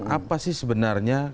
apa sih sebenarnya